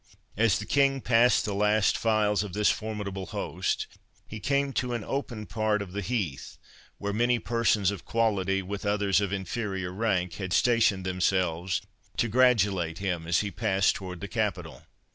As the King passed the last files of this formidable host, he came to an open part of the heath, where many persons of quality, with others of inferior rank, had stationed themselves to gratulate him as he passed towards the capital.